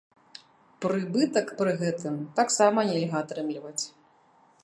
Прыбытак пры гэтым таксама нельга атрымліваць.